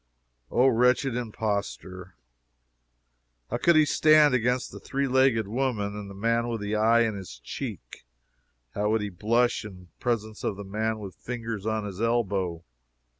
O, wretched impostor! How could he stand against the three legged woman, and the man with his eye in his cheek? How would he blush in presence of the man with fingers on his elbow?